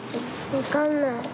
わかんない。